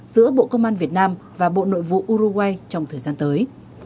giữa bộ công an việt nam và bộ nội vụ uruguay trong thời gian tới